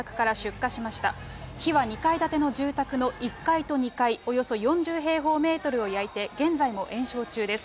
火は２階建ての住宅の１階と２階およそ４０平方メートルを焼いて、現在も延焼中です。